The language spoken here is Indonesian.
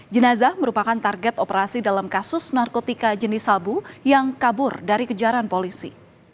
jenazah merupakan target operasi dalam kasus narkotika jenis sabu yang kabur dari kejaran polisi